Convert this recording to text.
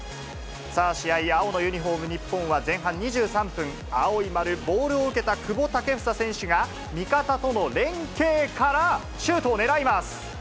試合、青のユニホーム、日本は前半２３分、青い丸、ボールを受けた久保建英選手が、味方との連係からシュートをねらいます。